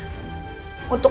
tapi buat siapa